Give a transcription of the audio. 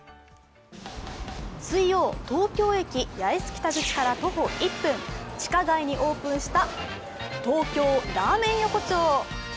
水曜、東京駅八重洲北口から徒歩１分、地下街にオープンした東京ラーメン横丁。